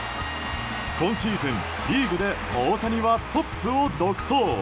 今シーズン、リーグで大谷はトップを独走。